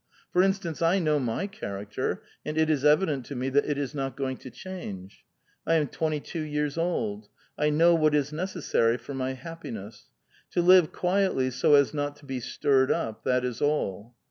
For instance, I know my character, and it is evident to me that it is not going to change. I am twenty two years old. I know what is necessary for my happiness : to live quietly so as not to be stirred up, that is all."